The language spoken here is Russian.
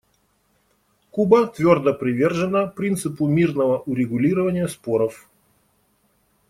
Куба твердо привержена принципу мирного урегулирования споров.